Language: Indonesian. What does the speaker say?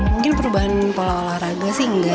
mungkin perubahan pola olahraga sih enggak